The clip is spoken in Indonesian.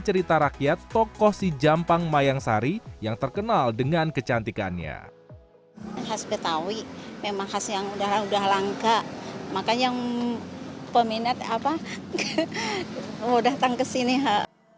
cerita rakyat tokoh si jampang mayangsari yang terkenal dengan kecantikannya khas betawi laga